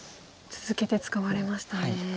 続けて使われましたね。